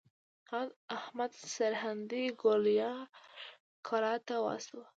هغه احمد سرهندي ګوالیار کلا ته واستوه.